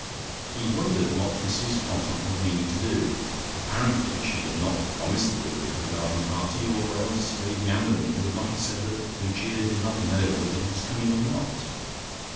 He wondered what Mrs Quantock was meaning to do. Apparently she had not promised the Guru for the garden party, or else Lady Ambermere would not have said that Lucia did not know whether he was coming or not.